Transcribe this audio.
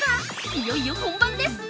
いよいよ本番です！